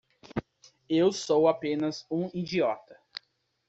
Eu sou apenas um idiota.